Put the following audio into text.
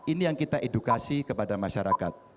ini yang kita edukasi kepada masyarakat